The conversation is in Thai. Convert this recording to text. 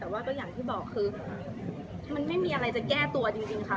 แต่ว่าก็อย่างที่บอกคือมันไม่มีอะไรจะแก้ตัวจริงค่ะ